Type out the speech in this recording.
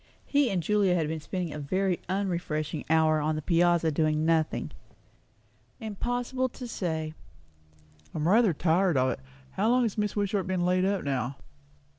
He and Julia had been spending a very unrefreshing hour on the piazza doing nothing. "Impossible to say." "I'm rather tired of it. How long has Mrs. Wishart been laid up now?"